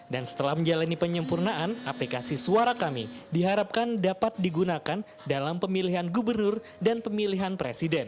dan setelah menjalani penyempurnaan aplikasi suara kami diharapkan dapat digunakan dalam pemilihan gubernur dan pemilihan presiden